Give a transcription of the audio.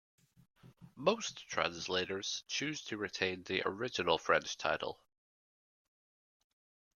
Most translators choose to retain the original French title.